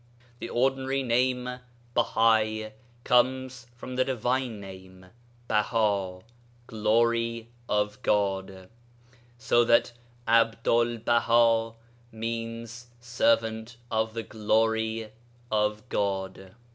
The ordinary name Bahai comes from the divine name Baha, 'Glory (of God),' so that Abdu'l Baha means 'Servant of the Glory (of God).'